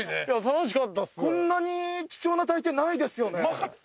こんなに貴重な体験ないですよね。